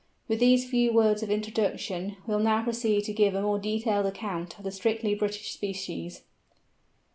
With these few words of introduction we will now proceed to give a more detailed account of the strictly British species.